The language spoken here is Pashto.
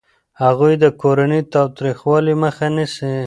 هغوی د کورني تاوتریخوالي مخه نیسي.